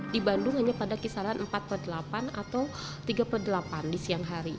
di bandung hanya pada kisaran empat per delapan atau tiga per delapan di siang hari